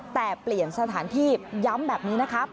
แต่เปลี่ยนสถานที่ย้ำแบบนี้นะครับ